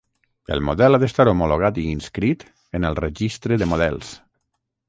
El model ha d'estar homologat i inscrit en el Registre de models.